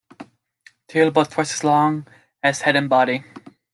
Tail about twice as long as head and body.